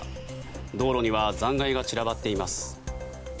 道路には残骸が散らばっています。